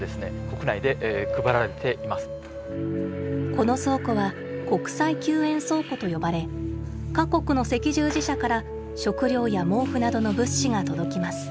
この倉庫は「国際救援倉庫」と呼ばれ各国の赤十字社から食料や毛布などの物資が届きます。